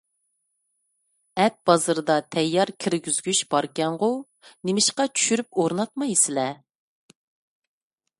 ئەپ بازىرىدا تەييار كىرگۈزگۈچ باركەنغۇ؟ نېمىشقا چۈشۈرۈپ ئورناتمايسىلەر؟